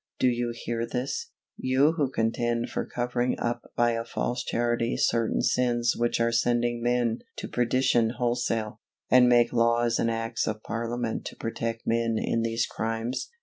_ Do you hear this, you who contend for covering up by a false Charity certain sins which are sending men to perdition wholesale, and make laws and acts of parliament to protect men in these crimes?